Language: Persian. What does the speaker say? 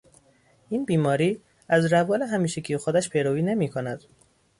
این بیماری از روال همیشگی خودش پیروی نمیکند.